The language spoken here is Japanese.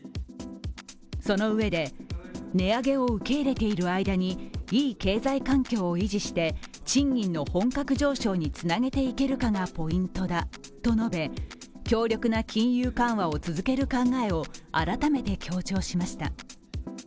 そのうえで、値上げを受け入れている間にいい経済環境を維持して賃金の本格上昇につなげていけるかがポイントだと述べ強力な金融緩和を続ける考えを改めて強調しました。